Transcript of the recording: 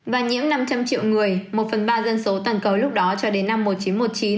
và nhiễm năm trăm linh triệu người một phần ba dân số toàn cầu lúc đó cho đến năm một nghìn chín trăm một mươi chín